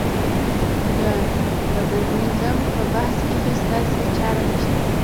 د مډرنیزم په بحث کې هېڅ داسې چاره نشته.